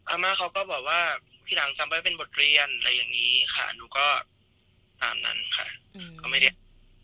อาม่าเขาก็บอกว่าทีหลังจำไว้เป็นบทเรียนอะไรอย่างนี้ค่ะหนูก็ตามนั้นค่ะก็ไม่ได้